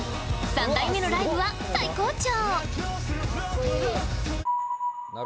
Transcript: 三代目のライブは最高潮！